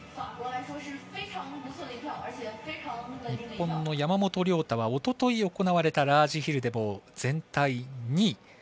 日本の山本涼太はおととい、おこなわれたラージヒルでも全体２位。